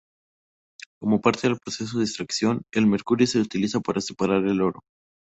Como parte del proceso de extracción, el mercurio se utiliza para separar el oro.